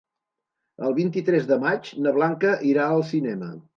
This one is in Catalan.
El vint-i-tres de maig na Blanca irà al cinema.